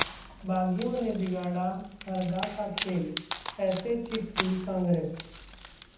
बागियों ने बिगाड़ा हरदा का खेल, ऐसे चित हुई कांग्रेस